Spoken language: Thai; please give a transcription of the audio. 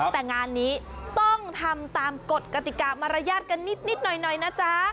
แต่งานนี้ต้องทำตามกฎกติกามารยาทกันนิดหน่อยนะจ๊ะ